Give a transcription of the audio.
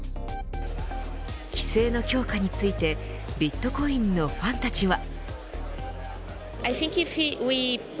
規制の強化についてビットコインのファンたちは。